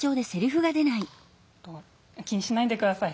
「気にしないでください！